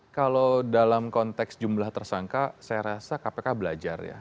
kalau dalam konteks jumlah tersangka saya rasa kpk belajar ya